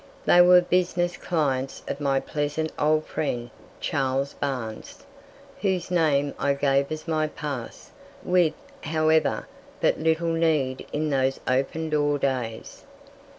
They were business clients of my pleasant old friend Charles Barnes, whose name I gave as my pass, with, however, but little need in those open door days.